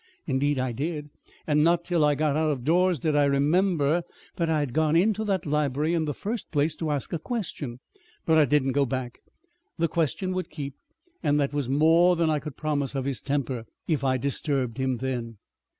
Indeed, I did! And not till I got out of doors did I remember that I had gone into that library in the first place to ask a question. But I didn't go back. The question would keep and that was more than I could promise of his temper, if I disturbed him then.